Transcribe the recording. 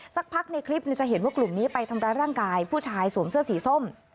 สักพักในคลิปจะเห็นว่ากลุ่มนี้ไปทำร้ายร่างกายผู้ชายสวมเสื้อสีส้ม